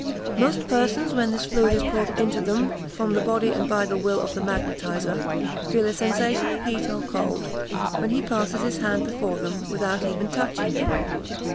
Most persons, when this fluid is poured into them from the body and by the will of the magnetiser, "feel a sensation of heat or cold" when he passes his hand before them, without even touching them.